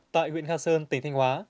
tại huyện nga sơn tỉnh thanh hóa